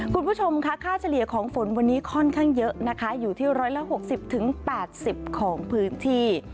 คุณผู้ชมค่ะค่าเฉลี่ยของฝนวันนี้ค่อนข้างเยอะนะคะอยู่ที่๑๖๐๘๐ของพื้นที่